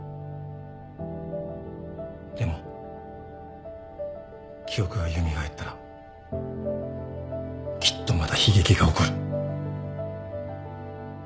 でも記憶が蘇ったらきっとまた悲劇が起こる。